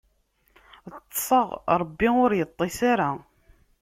Ṭṭseɣ, Ṛebbi ur iṭṭis ara.